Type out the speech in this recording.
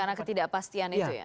karena ketidakpastian itu ya